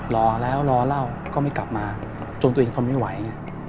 รอแล้วรอเล่าก็ไม่กลับมาจนตัวเองทนไม่ไหว